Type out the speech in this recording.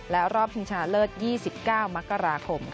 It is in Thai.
และรอบชิงชนะเลิศ๒๙มกราคม